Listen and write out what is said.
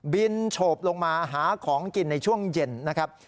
โฉบลงมาหาของกินในช่วงเย็นนะครับ